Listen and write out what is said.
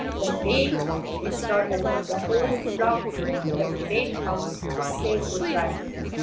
The day they started, the whole flock flew to the great house, to say good by.